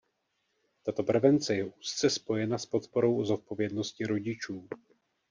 Tato prevence je úzce spojena s podporou zodpovědnosti rodičů.